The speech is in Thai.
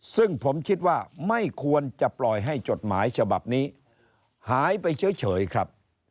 ซึ่งผมคิดว่าไม่ควรจะปล่อยให้จดหมายฉบับนี้หายไปเฉยครับ